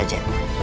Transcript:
kamu israt di mana